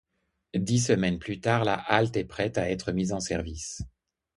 Dix semaines plus tard, la halte est prête à être mise en service.